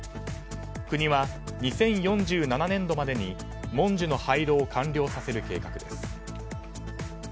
国は２０４７年度までにもんじゅの廃炉を完了させる計画です。